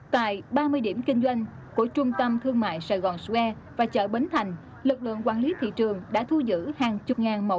tại ba mươi điểm kinh doanh của trung tâm thương mại saigon square và chợ bến thành lực lượng quản lý thị trường đã thu giữ hàng chục ngàn mẫu đồng hồ tuyệt vời